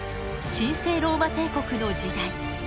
神聖ローマ帝国の時代。